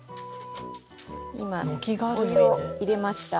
今、お湯を入れました。